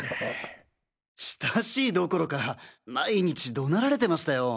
親しいどころか毎日怒鳴られてましたよ。